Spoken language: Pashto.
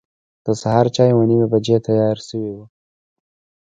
د سهار چای اوه نیمې بجې تیار شوی و.